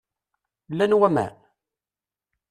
Llan waman?